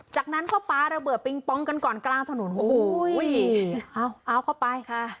จากนั้นก็ป๊าระเบิดปิงปองกันก่อนกลางถนนโอ้โหเอาเอาเข้าไปค่ะ